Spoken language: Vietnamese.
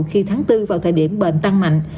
khi tháng bốn vào thời điểm bệnh tăng mạnh